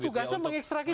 itu tugasnya mengekstrak itu